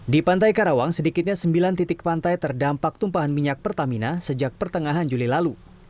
di pantai karawang sedikitnya sembilan titik pantai terdampak tumpahan minyak pertamina sejak pertengahan juli lalu